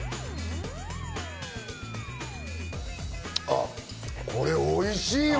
あ、これおいしいわ。